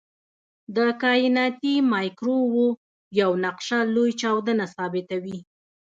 د کائناتي مایکروویو نقشه لوی چاودنه ثابتوي.